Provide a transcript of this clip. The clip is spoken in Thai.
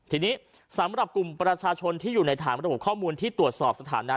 ทีนี้สำหรับกลุ่มประชาชนที่อยู่ในฐานระบบข้อมูลที่ตรวจสอบสถานะ